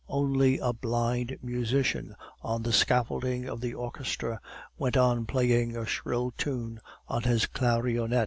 Only a blind musician, on the scaffolding of the orchestra, went on playing a shrill tune on his clarionet.